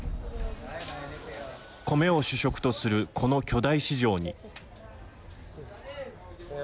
コメを主食とするこの巨大市場に。